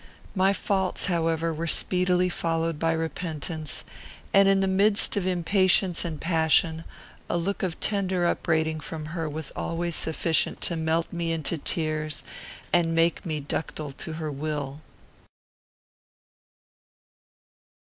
My faults, however, were speedily followed by repentance, and, in the midst of impatience and passion, a look of tender upbraiding from her was always sufficient to melt me into tears and make me ductile to her will.